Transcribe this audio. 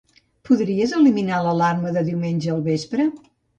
Podries eliminar l'alarma de diumenge al vespre?